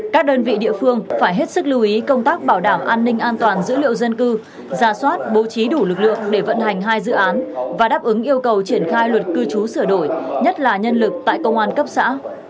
các đơn vị địa phương phải hết sức lưu ý công tác bảo đảm an ninh an toàn dữ liệu dân cư ra soát bố trí đủ lực lượng để vận hành hai dự án và đáp ứng yêu cầu triển khai luật cư trú sửa đổi nhất là nhân lực tại công an cấp xã